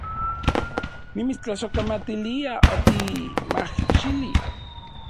Nimitstlasojkamatilia otimajxili